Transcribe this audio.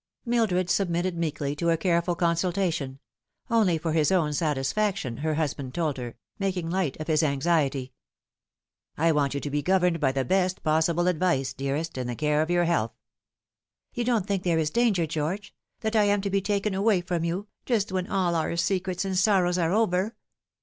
Mildred submitted meekly to a careful con sultation only for his own satisfaction, her husband told her, making light of his anxiety. " I want you to be governed by the best possible advice, dearest, in the care of your health." " You don't think there is danger, George ; that I am to be taken away from you, just when all our secrets and sorrows are over